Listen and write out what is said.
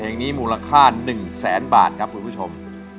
เพลงที่นี้มูลค่า๑๐๐๐๐๐บาทครับคุณผู้ชม